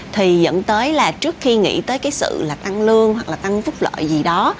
thì dẫn tới là trước khi nghĩ tới sự tăng lương hoặc tăng phúc lợi gì đó